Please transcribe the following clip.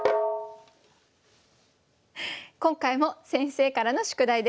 今回も先生からの宿題です。